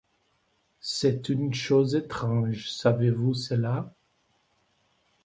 C’est une chose étrange, savez-vous cela?